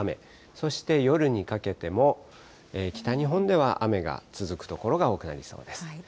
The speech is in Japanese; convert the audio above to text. そして夜にかけても、北日本では雨が続く所が多くなりそうです。